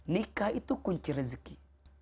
nikah itu kunci rizki